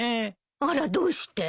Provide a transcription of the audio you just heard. あらどうして？